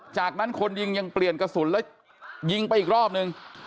จากนั้นคนยิงยังเปลี่ยนกระสุนแล้วยิงไปอีกรอบนึง